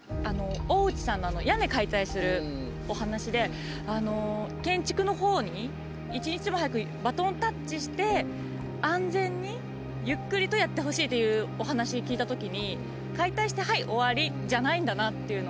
大内さんの屋根解体するお話であの建築のほうに一日も早くバトンタッチして安全にゆっくりとやってほしいっていうお話聞いた時に解体してはい終わりじゃないんだなっていうのを感じました。